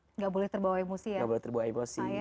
tidak boleh terbawa emosi